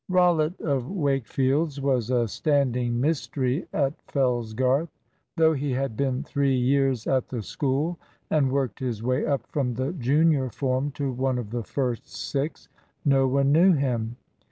Rollitt of Wakefield's was a standing mystery at Fellsgarth. Though he had been three years at the school, and worked his way up from the junior form to one of the first six, no one knew him.